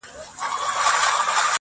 او دا وجود ښکلی دی